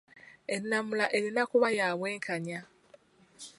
Ennamula erina kuba ya bwenkanya.